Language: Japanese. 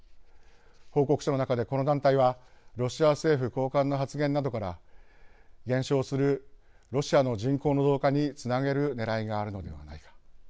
報告書の中でこの団体はロシア政府高官の発言などから減少するロシアの人口の増加につなげるねらいがあるのではないか。